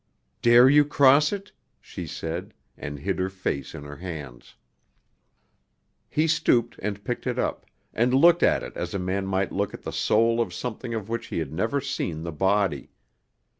"Dare you cross it?" she said, and hid her face in her hands. He stooped and picked it up, and looked at it as a man might look at the soul of something of which he had never seen the body.